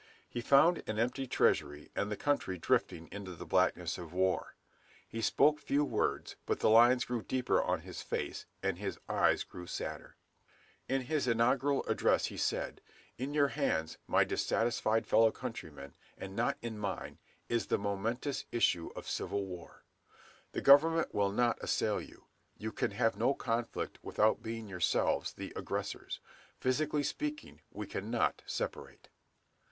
He found an empty treasury and the country drifting into the blackness of war. He spoke few words, but the lines grew deeper on his face, and his eyes grew sadder. In his inaugural address he said, "In your hands, my dissatisfied fellow countrymen, and not in mine, is the momentous issue of civil war. The government will not assail you. You can have no conflict without being yourselves the aggressors.... Physically speaking we cannot separate."